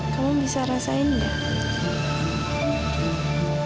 kamu bisa rasain gak